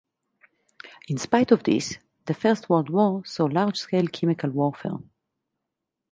In spite of this, the First World War saw large-scale chemical warfare.